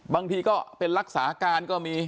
บางทีก็เป็นรักษาการก็มี